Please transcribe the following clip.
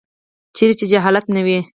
چیرې چې جهالت نه وي.